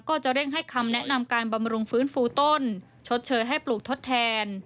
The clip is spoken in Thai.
ก็จะเร่งให้คำแนะนำการบำรุงฟื้นฟูต้นชดเชยให้ปลูกทดแทน